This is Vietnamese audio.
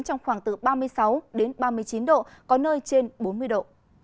trong khoảng từ ba mươi sáu ba mươi chín độ có nơi trên bốn mươi độ